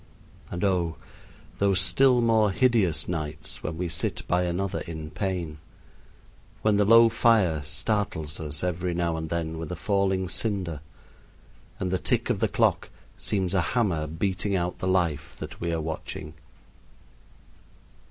And oh! those still more hideous nights when we sit by another in pain, when the low fire startles us every now and then with a falling cinder, and the tick of the clock seems a hammer beating out the life that we are watching.